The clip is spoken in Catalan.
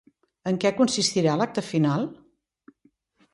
En què consistirà l’acte final?